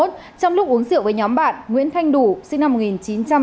trong lúc uống rượu với nhóm bạn nguyễn thanh đủ sinh năm một nghìn chín trăm chín mươi bảy